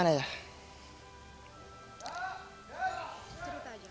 kenapa pada saat itu ayah